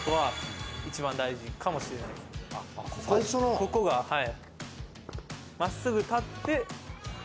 ここがはい。